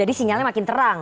jadi sinyalnya makin terang